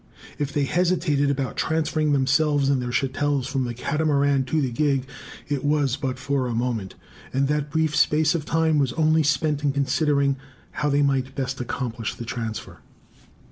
If they hesitated about transferring themselves and their chattels from the Catamaran to the gig, it was but for a moment; and that brief space of time was only spent in considering how they might best accomplish the transfer.